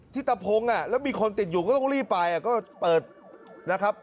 ตะพงแล้วมีคนติดอยู่ก็ต้องรีบไปก็เปิดนะครับ